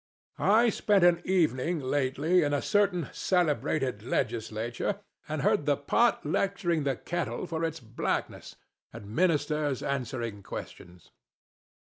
I spent an evening lately in a certain celebrated legislature, and heard the pot lecturing the kettle for its blackness, and ministers answering questions.